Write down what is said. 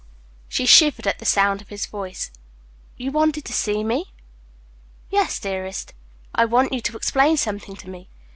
She shivered at the sound of his voice. "You wanted to see me?" "Yes, dearest. I want you to explain something to me.